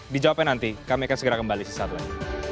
dijawabkan nanti kami akan segera kembali sesaat lain